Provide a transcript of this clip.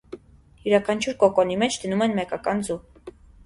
Յուրաքանչյուր կոկոնի մեջ դնում են մեկական ձու։